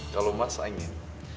kalau mas ingin